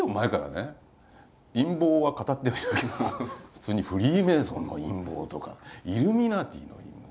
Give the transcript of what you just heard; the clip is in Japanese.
普通に「フリーメーソンの陰謀」とか「イルミナティの陰謀」。